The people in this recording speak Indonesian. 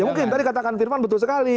ya mungkin tadi katakan firman betul sekali